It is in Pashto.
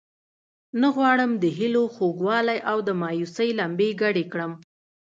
نه غواړم د هیلو خوږوالی او د مایوسۍ لمبې ګډې کړم.